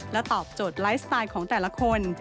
ตอบโจทย์ไลฟ์สไตล์ของแต่ละคน